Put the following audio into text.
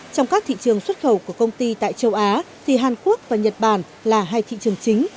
trong các thị trường xuất khẩu của công ty tại châu á thì hàn quốc và nhật bản là hai thị trường chính